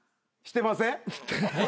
してません。